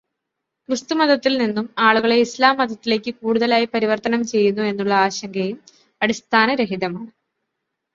ക്രിസ്തുമതത്തിൽ നിന്നും ആളുകളെ ഇസ്ലാം മതത്തിലേയ്ക്ക് കൂടുതലായി പരിവർത്തനം ചെയ്യുന്നു എന്നുള്ള ആശങ്കയും അടിസ്ഥാനരഹിതമാണ്.